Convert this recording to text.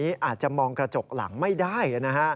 เยอะขนาดนี้อาจจะมองกระจกหลังไม่ได้นะฮะ